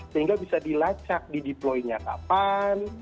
sehingga bisa dilacak dideploy nyatapan